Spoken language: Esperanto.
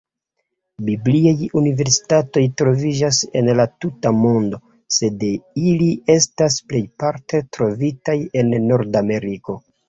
Bibliaj universitatoj troviĝas en la tuta mondo, sed ili estas plejparte trovitaj en Nordameriko.